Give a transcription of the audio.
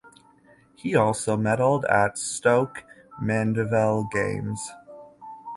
He also medalled at Stoke Mandeville Games.